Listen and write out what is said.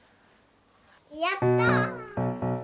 やった！